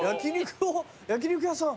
焼き肉屋さん？